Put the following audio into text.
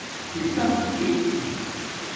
ڎی ڎاپک